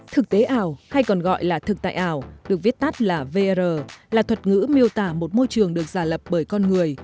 thực tế ảo hay còn gọi là thực tại ảo được viết tắt là vr là thuật ngữ miêu tả một môi trường được giả lập bởi con người